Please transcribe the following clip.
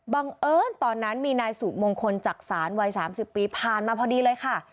เอิญตอนนั้นมีนายสุมงคลจักษานวัย๓๐ปีผ่านมาพอดีเลยค่ะ